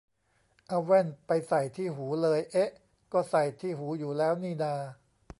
เอาแว่นไปใส่ที่หูเลย เอ๊ะ ก็ใส่ที่หูอยู่แล้วนี่นา